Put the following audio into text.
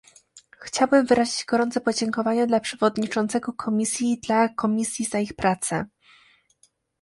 Chciałbym wyrazić gorące podziękowania dla przewodniczącego Komisji i dla Komisji za ich pracę